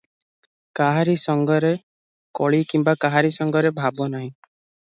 କାହାରି ସଙ୍ଗରେ କଳି କିମ୍ବା କାହାରି ସଙ୍ଗରେ ଭାବ ନାହିଁ ।